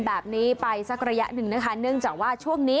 แบบนี้ไปสักระยะหนึ่งนะคะเนื่องจากว่าช่วงนี้